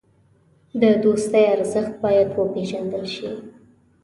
د دوستۍ ارزښت باید وپېژندل شي.